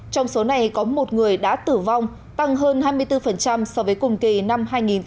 trong số này có một người đã tử vong tăng hơn hai mươi bốn so với cùng kỳ năm hai nghìn một mươi tám